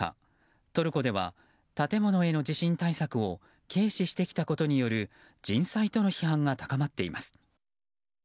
トルコでは建物への地震対策を軽視してきたことによる人災との批判が高まっています。